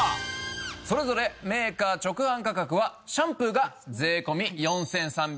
それぞれメーカー直販価格はシャンプーが税込４３２０円。